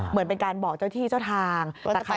เหมือนเป็นการบอกเจ้าที่เจ้าทาง